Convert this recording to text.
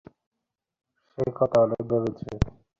সে কথা অনেক ভেবেছি।